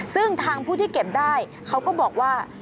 ซึ่งทางผู้ที่เก็บได้เขาก็บอกว่า